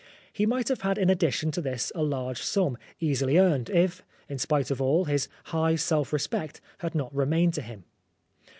He might have had in addition to this a large sum, easily earned, if, in spite of all, his high self respect had not remained to him.